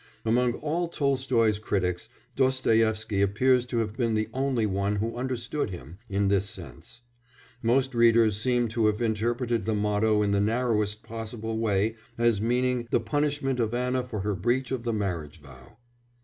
Among all Tolstoy's critics Dostoïevsky appears to have been the only one who understood him in this sense; most readers seem to have interpreted the motto in the narrowest possible way as meaning the punishment of Anna for her breach of the marriage vow.